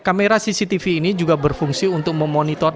kamera cctv ini juga berfungsi untuk memonitor